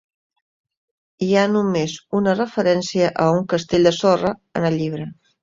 Hi ha només una referència a un "castell de sorra" en el llibre.